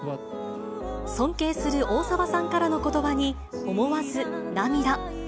尊敬する大沢さんからのことばに、思わず涙。